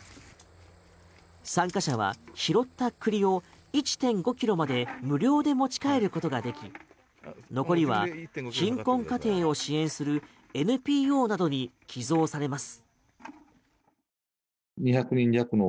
参加者は拾った栗を１．５ｋｇまで無料で持ち帰ることができ残りは貧困家庭を支援するＮＰＯなどに寄贈されます。